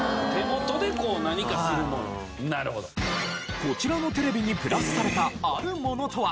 こちらのテレビにプラスされたあるものとは？